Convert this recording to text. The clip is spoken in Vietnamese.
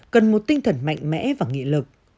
cần một tinh thần mạnh mẽ và nghị lực